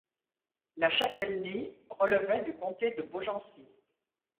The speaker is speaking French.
La châtellenie relevait du comté de Beaugency.